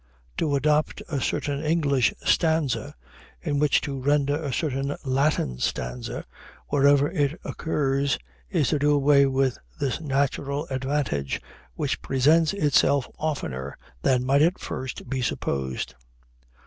To adopt a certain English stanza in which to render a certain Latin stanza wherever it occurs, is to do away with this natural advantage, which presents itself oftener than might at first be supposed.